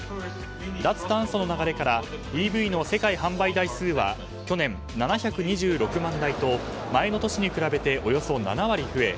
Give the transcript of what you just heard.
脱炭素の流れからＥＶの世界販売台数は去年、７２６万台と前の年に比べておよそ７割増え